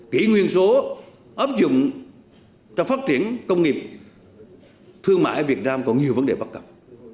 kỹ nguyên số ấp dụng cho phát triển công nghiệp thương mại việt nam có nhiều vấn đề bắt cặp